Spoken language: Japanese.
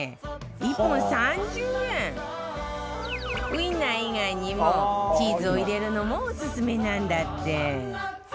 ウインナー以外にもチーズを入れるのもオススメなんだって